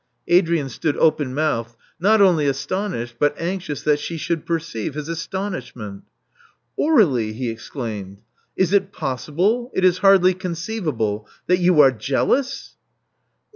Adrian stood open mouthed, not only astonished, but anxious that she should perceive his astonishment. "Aur^lie," he exclaimed: "is it possible — ^it is hardly conceivable — that you are jealous?"